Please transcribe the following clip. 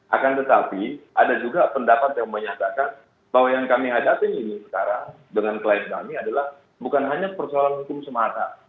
akan tetapi ada juga pendapat yang menyatakan bahwa yang kami hadapi ini sekarang dengan klien kami adalah bukan hanya persoalan hukum semata